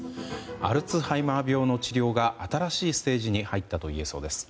アルツハイマー病の治療が新しいステージに入ったと言えそうです。